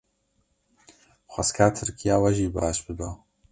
xwesika Tirkiya we jî baş biba.